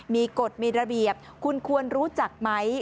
มีกฎมีระเบียบคุณควรรู้จักไหม